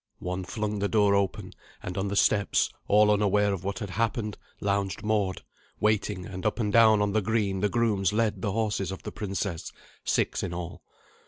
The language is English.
One flung the door open; and on the steps, all unaware of what had happened, lounged Mord, waiting, and up and down on the green the grooms led the horses of the princess six in all.